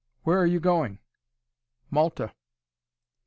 Where are you going?" "Malta."